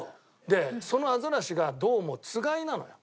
でそのアザラシがどうもつがいなのよ。